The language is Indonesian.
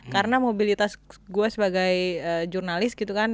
karena mobilitas gue sebagai jurnalis gitu kan